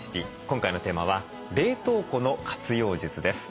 今回のテーマは冷凍庫の活用術です。